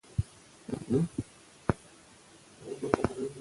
ژورې سرچینې د افغانستان د سیلګرۍ برخه ده.